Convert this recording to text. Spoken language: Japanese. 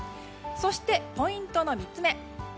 そして、ポイントの３つ目。